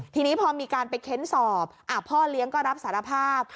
ทีนี้พอมีการไปเค้นสอบพ่อเลี้ยงก็รับสารภาพ